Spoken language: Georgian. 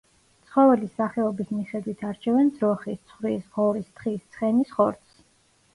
ცხოველის სახეობის მიხედვით არჩევენ ძროხის, ცხვრის, ღორის, თხის, ცხენის ხორცს.